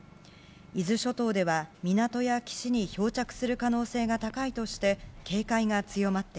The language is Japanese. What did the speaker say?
伊豆諸島では港や岸に漂着する可能性が高いとして